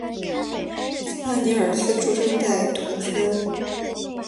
斯潘尼尔斯出生在图森。